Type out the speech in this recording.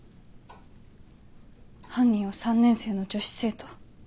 犯人は３年生の女子生徒。